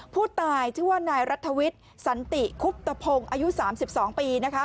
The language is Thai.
ผู้ตายที่ว่านายรัฐวิตสันติครูปตะพงอายุสามสิบสองปีนะคะ